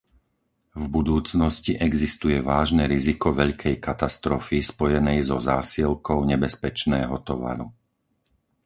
V budúcnosti existuje vážne riziko veľkej katastrofy spojenej so zásielkou nebezpečného tovaru.